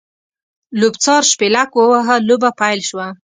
لوبڅار شپېلک ووهه؛ لوبه پیل شوه.